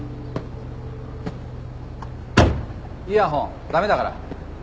イヤホン駄目だから。